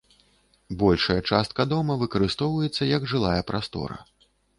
Большая частка дома выкарыстоўваецца як жылая прастора.